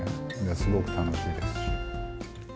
すごく楽しいです。